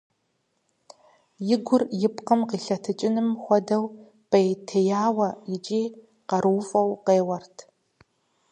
И гур и бгъэм къилъэтыным хуэдэу пӀейтеяуэ икӀи къарууфӀэу къеуэрт.